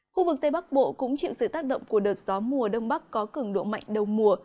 khu vực tây bắc bộ cũng chịu sự tác động của đợt gió mùa đông bắc có cường độ mạnh đầu mùa